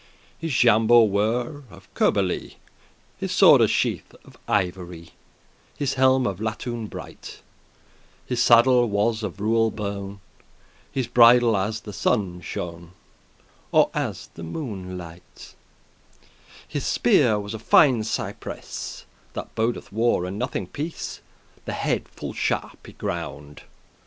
His jambeaux* were of cuirbouly, <23> *boots His sworde's sheath of ivory, His helm of latoun* bright, *brass His saddle was of rewel <24> bone, His bridle as the sunne shone, Or as the moonelight. His speare was of fine cypress, That bodeth war, and nothing peace; The head full sharp y ground.